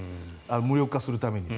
無力化するためには。